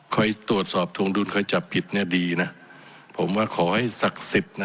คอยตรวจสอบทวงดุลคอยจับผิดเนี่ยดีนะผมว่าขอให้ศักดิ์สิทธิ์นะ